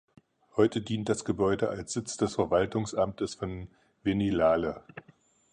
Heute dient das Gebäude als Sitz des Verwaltungsamtes von Venilale.